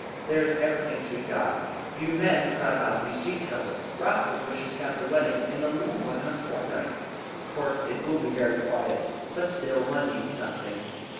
There is everything to be got. You men forget about these details. Raffles wishes to have the wedding in little more than a fortnight. Of course it will be very quiet, but still one needs something."